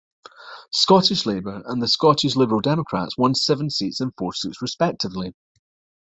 Scottish Labour and the Scottish Liberal Democrats won seven seats and four seats respectively.